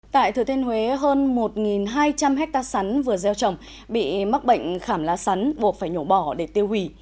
tại thừa thiên huế hơn một hai trăm linh hectare sắn vừa gieo trồng bị mắc bệnh khảm lá sắn buộc phải nhổ bỏ để tiêu hủy